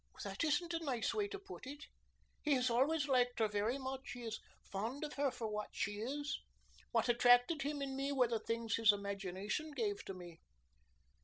"That isn't a nice way to put it. He has always liked her very much. He is fond of her for what she is. What attracted him in me were the things his imagination gave to me."